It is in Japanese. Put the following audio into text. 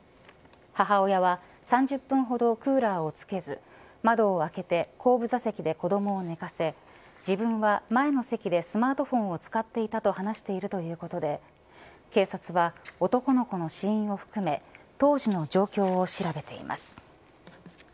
母親は３０分ほどクーラーをつけず窓を開けて後部座席で子どもを寝かせ自分は前の席でスマートフォンを使っていたと話しているということで警察は男の子の死因を含め当時の状況を調べています。